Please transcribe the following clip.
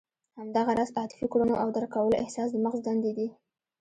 همدغه راز عاطفي کړنو او درک کولو احساس د مغز دندې دي.